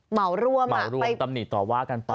เหมาร่วมตำหนิต่อว่ากันไป